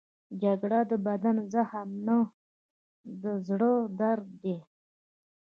جګړه د بدن زخم نه، د زړه درد دی